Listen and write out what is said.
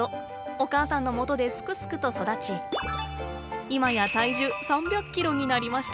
お母さんのもとですくすくと育ち今や体重３００ｋｇになりました。